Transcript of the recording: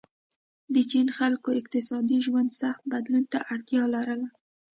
د چین خلکو اقتصادي ژوند سخت بدلون ته اړتیا لرله.